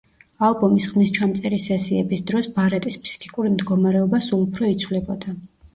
ალბომის ხმისჩამწერი სესიების დროს ბარეტის ფსიქიკური მდგომარეობა სულ უფრო იცვლებოდა.